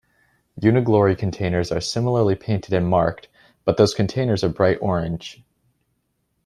Uniglory containers are similarly painted and marked, but those containers are bright orange.